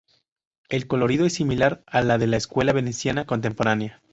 El colorido es similar al de la Escuela veneciana contemporánea.